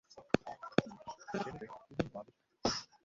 জেনে রেখ, সৃজন ও আদেশ তাঁরই।